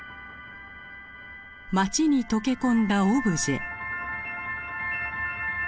街に溶け込んだオブジェ。